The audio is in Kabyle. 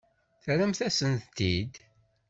Terramt-asent-tent-id.